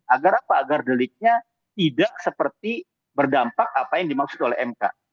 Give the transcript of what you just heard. agar apa agar deliknya tidak seperti berdampak apa yang dimaksud oleh mk